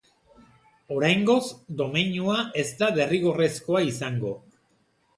Oraingoz, domeinua ez da derrigorrezkoa izango.